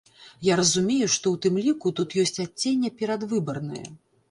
Я разумею, што, у тым ліку, тут ёсць адценне перадвыбарнае.